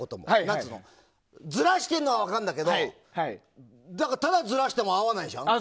ずらしてるのは分かるんだけどただずらしても合わない。